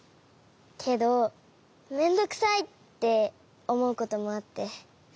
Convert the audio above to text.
けどめんどくさいっておもうこともあって。